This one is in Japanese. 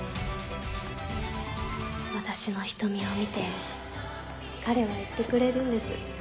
「私の瞳を見て彼は言ってくれるんです。